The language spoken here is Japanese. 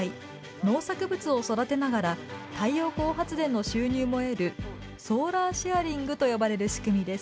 農作物を育てながら太陽光発電の収入も得るソーラーシェアリングと呼ばれる仕組みです。